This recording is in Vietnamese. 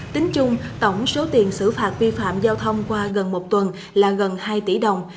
tính chung tổng số tiền xử phạt vi phạm giao thông qua gần một tuần là gần hai tỷ đồng